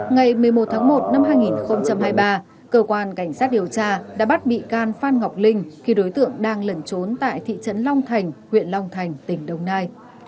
ngày một mươi một tháng một năm hai nghìn hai mươi ba cơ quan cảnh sát điều tra đã bắt bị can phan ngọc linh khi đối tượng đang lẩn trốn tại thị trấn long thành huyện long thành tỉnh đồng nai